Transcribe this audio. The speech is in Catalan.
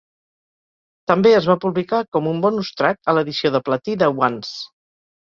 També es va publicar com un "bonus track" a l'edició de platí de "Once".